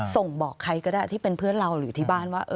ส่งบอกใครก็ได้ที่เป็นเพื่อนเราหรือที่บ้านว่า